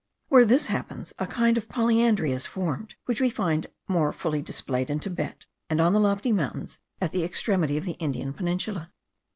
Where this happens, a kind of polyandry is formed, which we find more fully displayed in Thibet, and on the lofty mountains at the extremity of the Indian peninsula.